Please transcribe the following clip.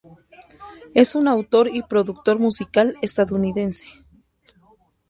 Es un autor y productor musical estadounidense.